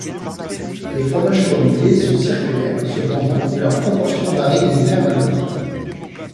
Les fromages colombier sont circulaires, cependant, leurs proportions varies d'une ferme à l'autre.